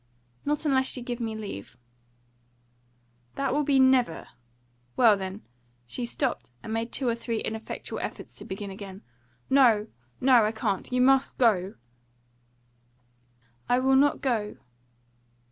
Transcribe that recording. "Not unless you give me leave." "That will be never. Well, then " She stopped, and made two or three ineffectual efforts to begin again. "No, no! I can't. You must go!" "I will not go!"